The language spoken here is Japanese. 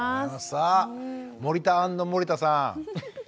さあ森田＆森田さん。